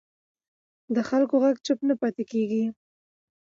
د خلکو غږ چوپ نه پاتې کېږي